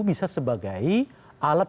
bisa sebagai alat